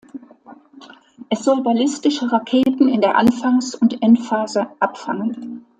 Es soll ballistische Raketen in der Anfangs- und Endphase abfangen.